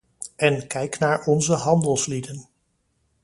En kijk naar onze handelslieden.